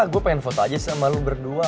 gue pengen foto aja sama lo berdua